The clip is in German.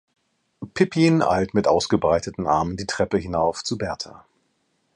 Pippin eilt mit ausgebreiteten Armen die Treppe hinauf zu Bertha.